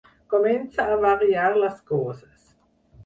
Comença a variar les coses.